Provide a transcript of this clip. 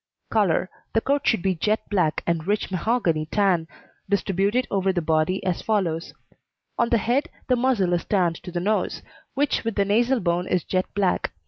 COLOUR The coat should be jet black and rich mahogany tan, distributed over the body as follows: On the head the muzzle is tanned to the nose, which with the nasal bone is jet black.